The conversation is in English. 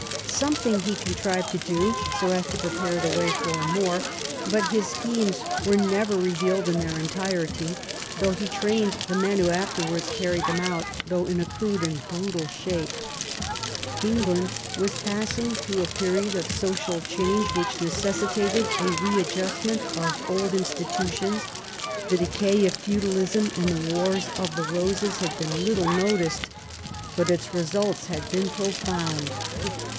Something he contrived to do, so as to prepare the way for more ; but his schemes were never revealed in their entirety, though he trained the men who afterwards carried them out, though in a crude and brutal shape. England was passing through a period of social change which necessitated a re adjustment of old institutions. The decay of feudalism in the Wars of the Eoses had been little noticed, but its results had been profound.